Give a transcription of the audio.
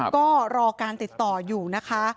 ก็รอการติดต่ออยู่นะคะ